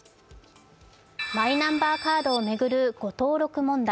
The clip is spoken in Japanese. マイナンバーカードを巡る誤登録問題。